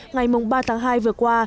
ngày mùng ba tháng hai vừa qua